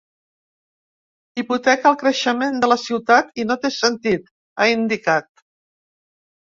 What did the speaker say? “Hipoteca el creixement de la ciutat i no té sentit”, ha indicat.